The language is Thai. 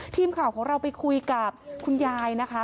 ทีมข่าวของเราไปคุยกับคุณยายนะคะ